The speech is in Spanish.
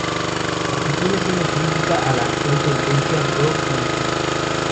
La canción es una crítica a la actual tendencia bro-country.